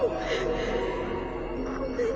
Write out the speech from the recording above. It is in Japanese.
ごめん。